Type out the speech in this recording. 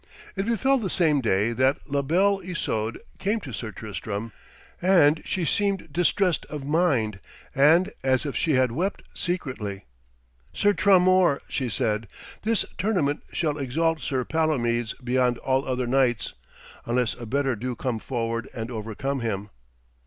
It befell the same day that La Belle Isoude came to Sir Tristram, and she seemed distressed of mind and as if she had wept secretly. 'Sir Tramor,' she said, 'this tournament shall exalt Sir Palomides beyond all other knights, unless a better do come forward and overcome him.'